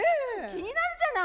気になるじゃない。